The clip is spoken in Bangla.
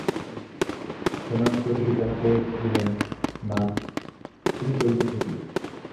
ক্ষেমংকরী তাহাকে কহিলেন, মা, তুমি করিতেছ কী?